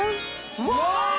うわ！